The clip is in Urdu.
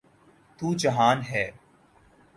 تو جہان ہے۔